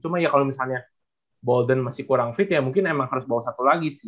cuma ya kalau misalnya bolden masih kurang fit ya mungkin emang harus bawa satu lagi sih